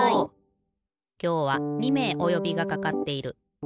きょうは２めいおよびがかかっている。